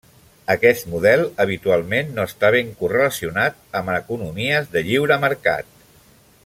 Aquest model habitualment no està ben correlacionat amb economies de lliure mercat.